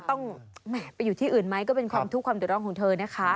ต้องไปอยู่ที่อื่นไหมก็เป็นความทุกข์ความเดือดร้อนของเธอนะคะ